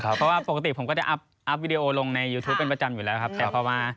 เพราะว่าปกติผมก็จะอัพวิดีโอลงในยูทูปเป็นประจำอยู่แล้วครับแต่พอมา